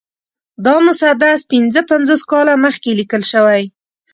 دا مسدس پنځه پنځوس کاله مخکې لیکل شوی دی.